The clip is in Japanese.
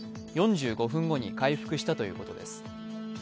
４５分後に回復したということです。